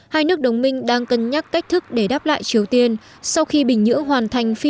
hai nước đồng minh đang cân nhắc cách thức để đáp lại triều tiên sau khi bình nhưỡng hoàn thành phi